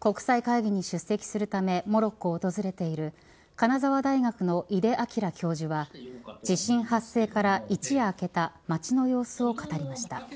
国際会議に出席するためモロッコを訪れている金沢大学の井手明教授は地震発生から一夜明けた街の様子を語りました。